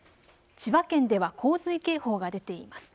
千葉県では洪水警報が出ています。